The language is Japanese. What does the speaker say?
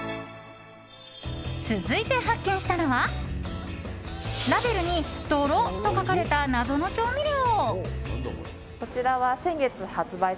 続いて発見したのはラベルに「どろ」と書かれた謎の調味料。